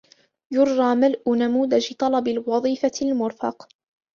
يرجى ملء نموذج طلب الوظيفة المرفق.